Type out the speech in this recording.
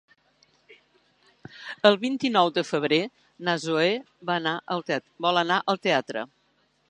El vint-i-nou de febrer na Zoè vol anar al teatre.